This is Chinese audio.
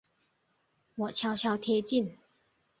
我悄悄贴近